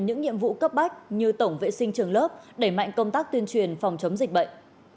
những nhiệm vụ cấp bách như tổng vệ sinh trường lớp đẩy mạnh công tác tuyên truyền phòng chống dịch bệnh